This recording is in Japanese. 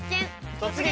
「突撃！